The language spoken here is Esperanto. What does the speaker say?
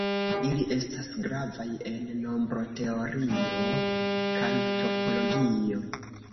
Ili estas gravaj en nombroteorio kaj topologio.